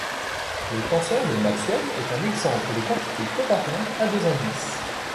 Le tenseur de Maxwell est un exemple de quantité covariante à deux indices.